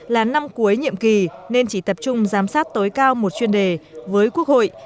là năm cuối nhiệm kỳ nên chỉ tập trung giám sát tối cao một chuyên đề với quốc hội